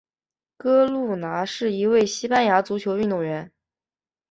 哥路拿是一位西班牙足球运动员。